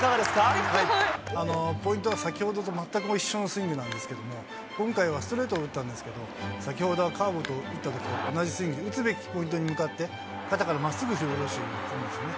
ポイントは先ほどと全く一緒のスイングなんですけれども、今回はストレートを打ったんですけど、先ほどのカーブを打ったときと同じスイングで、打つべきポイントに向かって肩からまっすぐに広がるんですよね。